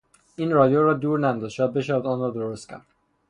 این رادیو را دور نیانداز شاید بشود آن را درست کرد.